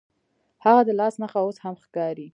هغه د لاس نښه اوس هم ښکاري.